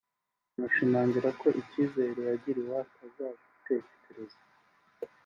anashimangira ko icyizere yagiriwe atazagitetereza